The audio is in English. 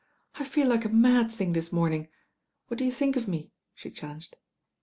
"I feel like a mad thing this morning. What do you think of me ?" she challenged.